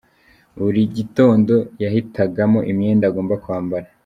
Buri gitondo yahitagamo imyenda agomba kwambara.